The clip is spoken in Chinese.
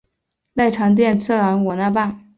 濑长龟次郎我那霸。